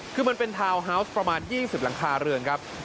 คือมันเป็นทาวน์ฮาวส์ประมาณ๒๐หลังคาเรือนครับ